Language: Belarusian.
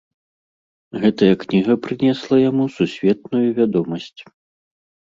Гэтая кніга прынесла яму сусветную вядомасць.